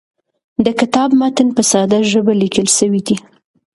د کتاب متن په ساده ژبه لیکل سوی دی.